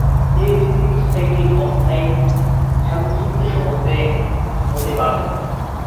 তিনি সিসিপির সাথে একটি অস্থায়ী শান্তিচুক্তিতে সম্মত হতে বাধ্য হন।